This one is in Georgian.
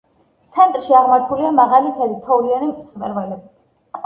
ცენტრში აღმართულია მაღალი ქედი, თოვლიანი მწვერვალებით.